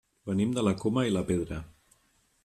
Venim de la Coma i la Pedra.